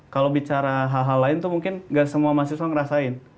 kalau bicara hal hal lain tuh mungkin gak semua mahasiswa ngerasain